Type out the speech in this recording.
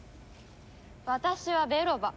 私はベロバ。